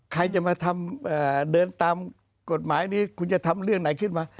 ใครจะมาทำเดินตามกฎหมายนี้คุณจะทำเรื่องไหนขึ้นมา